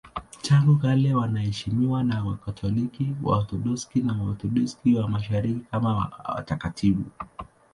Tangu kale wanaheshimiwa na Wakatoliki, Waorthodoksi na Waorthodoksi wa Mashariki kama watakatifu.